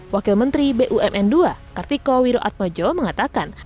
wakil menteri bumn ii kartiko wiroatmojo mengatakan